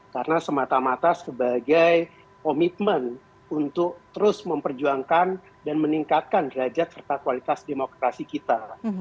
karena semata mata sebagai komitmen untuk terus memperjuangkan dan meningkatkan derajat serta kualitas demokrasi kita